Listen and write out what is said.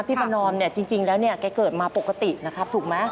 พี่ปนอมเนี่ยจริงแล้วไกล่เกิดมาปกติหรือเปล่า